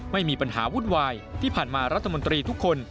ไม่มีปัญหาวุ่นวายที่ผ่านมารัฐมนตรีทุกคน